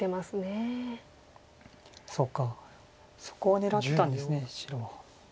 そっかそこを狙ってたんです白は。